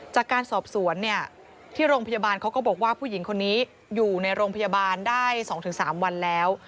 จากการสอบสวนเนี่ยที่โรงพยาบาลเขาก็บอกว่าผู้หญิงคนนี้อยู่ในโรงพยาบาลได้๒๓วันแล้ว